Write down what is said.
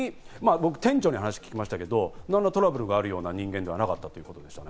僕、店長に話を聞きましたけど、何らトラブルがあるような人間ではなかったと言っていました。